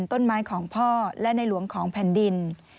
ต้นไม้ของพ่อและในหลวงของแผ่นดิน